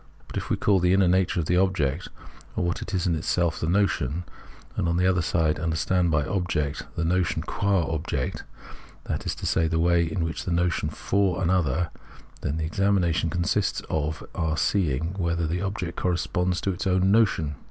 But if we call the inner nature of the object, or what it is in itself, the notion, and, on the other side, understand by object the notion qua object, i.e. the way the notion is for an other, then the examination consists in our seeing whether the object corresponds to its own notion.